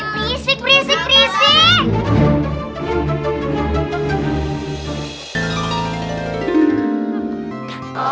berisik berisik berisik